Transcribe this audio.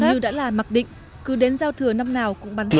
gần như đã là mặc định cứ đến giao thừa năm nào cũng bán pháo hoa